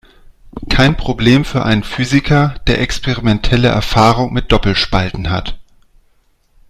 Kein Problem für einen Physiker, der experimentelle Erfahrung mit Doppelspalten hat.